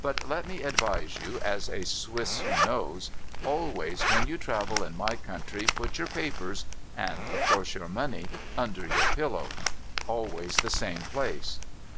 But let me advise you, as a Swiss who knows : always, when you travel in my country, put your papers — and, of course, your money — under your pillow. Always the same place.'